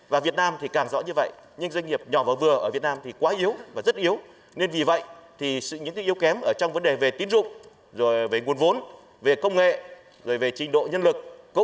và việt nam thì càng rõ như vậy nhưng doanh nghiệp nhỏ và vừa ở việt nam thì quá yếu và rất yếu nên vì vậy những yếu kém trong vấn đề về tiến dụng về nguồn vốn về công nghệ về trình độ nhân lực